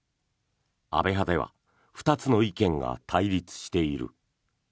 安倍派では２つの意見が対立している。